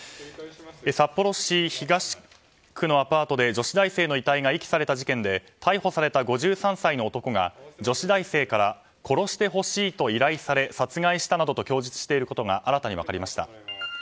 札幌市東区のアパートで女子大生の遺体が遺棄された事件で逮捕された５３歳の男が女子大生から殺してほしいと依頼され殺害したなどと供述していることが新たに分かりました。